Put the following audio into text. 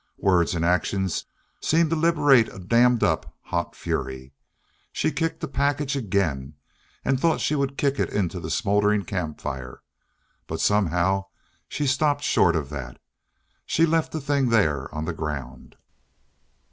Words and action seemed to liberate a dammed up hot fury. She kicked the package again, and thought she would kick it into the smoldering camp fire. But somehow she stopped short of that. She left the thing there on the ground.